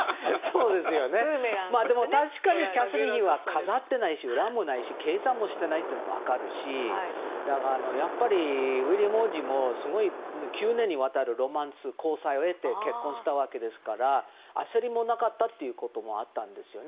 でも、確かにキャサリン妃は飾ってないし裏もないし計算もしてないというのが分かるしやっぱり、ウィリアム王子もすごい９年にわたるロマンス交際を経て結婚したわけですから焦りもなかったということもあったんですよね。